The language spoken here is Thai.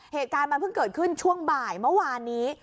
เหตุการณ์มันเพิ่งเกิดขึ้นช่วงบ่ายเมื่อวานนี้